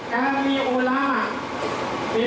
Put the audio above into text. kami ulama pimpinan pondok pesantren pengurus nahdlatul ulama